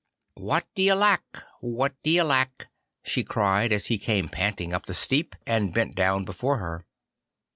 'What d'ye lack? What d'ye lack?' she cried, as he came panting up the steep, and bent down before her.